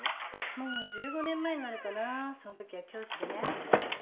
もう１５年前になるかなその時は教師でね。